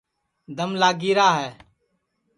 دم لاگی را ہے